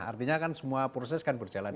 artinya kan semua proses kan berjalan